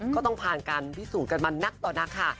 ก็ต้องผ่านการพิสูจน์กันมานักต่อนักค่ะ